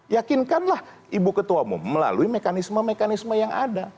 yakinkanlah ibu ketua umum melalui mekanisme mekanisme yang ada